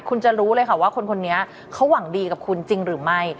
คุณจะรู้เลยค่ะว่าคนนี้เขาหวังดีกับคุณจริงหรือไม่